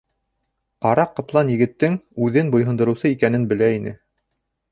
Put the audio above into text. Ҡара ҡаплан егеттең үҙен буйһондороусы икәнен белә ине.